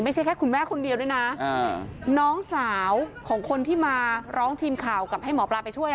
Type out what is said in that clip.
ไม่ใช่แค่คุณแม่คนเดียวด้วยนะน้องสาวของคนที่มาร้องทีมข่าวกับให้หมอปลาไปช่วย